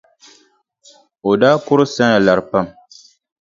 O daa kuri Sana lari pam.